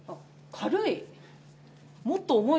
軽い。